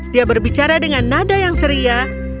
dia berbicara dengan nada yang ceria